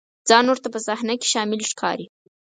ځان ورته په صحنه کې شامل ښکاري.